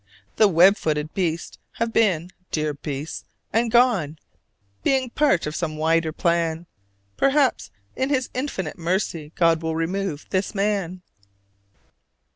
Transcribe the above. The web footed beasts have been (Dear beasts!) and gone, being part of some wider plan. Perhaps in His infinite mercy God will remove this man!"